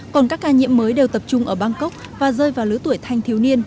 còn các ca nhiễm mới đều tập trung ở bangkok và rơi vào lứa tuổi thanh thiếu niên